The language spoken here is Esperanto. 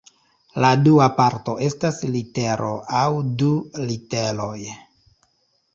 La dua parto estas litero aŭ du literoj.